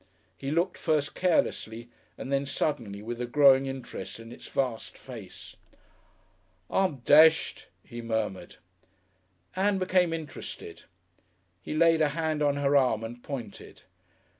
He looked first carelessly and then suddenly with a growing interest in its vast face. "I'm deshed," he murmured. Ann became interested. He laid a hand on her arm and pointed.